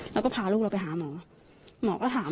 แล้วก็พาลูกเราไปหาหมอหมอก็ถาม